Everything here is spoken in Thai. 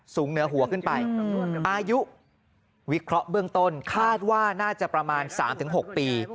เหนือหัวขึ้นไปอายุวิเคราะห์เบื้องต้นคาดว่าน่าจะประมาณ๓๖ปี